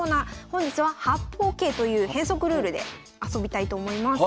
本日は「八方桂」という変則ルールで遊びたいと思います。